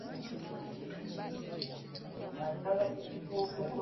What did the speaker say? Poliisi Act enyonyola emirimu gya poliisi: nga mwemuli okukuuma abantu n’ebyabwe.